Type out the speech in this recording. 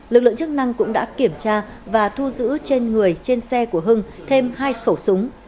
lực lượng chức năng cũng đã kiểm tra và thu giữ trên người trên xe của hưng thêm hai khẩu súng